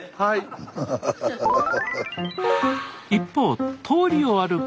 一方通りを歩く